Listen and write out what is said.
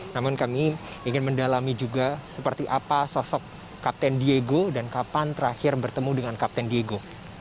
namun kami ingin mendalami juga seperti apa sosok kapten diego dan kapan terakhir bertemu dengan kapten diego